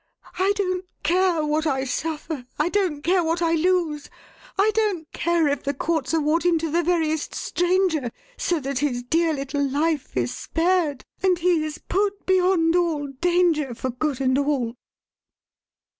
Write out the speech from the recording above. I don't care what I suffer, I don't care what I lose, I don't care if the courts award him to the veriest stranger, so that his dear little life is spared and he is put beyond all danger for good and all."